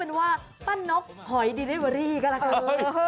เป็นว่าป้านกหอยดิเรเวอรี่ก็แล้วกัน